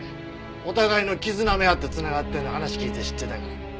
お互いの傷なめ合って繋がってるのは話聞いて知ってたから。